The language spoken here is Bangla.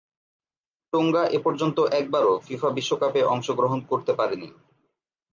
টোঙ্গা এপর্যন্ত একবারও ফিফা বিশ্বকাপে অংশগ্রহণ করতে পারেনি।